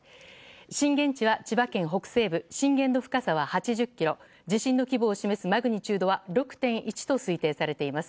震源地は千葉県北西部震源の深さは８０ｋｍ地震の規模を示すマグニチュードは６．１と推定されています。